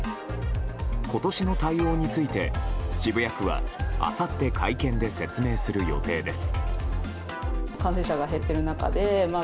今年の対応について渋谷区はあさって会見で説明する予定です。